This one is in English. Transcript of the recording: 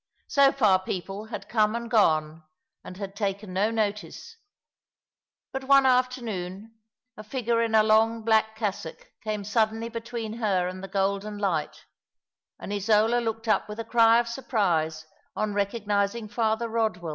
So far people had come and gone, and had taken no notice ; but one afternoon a figure in a long black cassock came suddenly between her and the golden light, and Isola looked up with a cry of surprise on recognizing Father Rodwell.